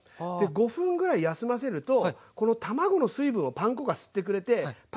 ５分ぐらい休ませるとこの卵の水分をパン粉が吸ってくれてパン粉がしっとりします。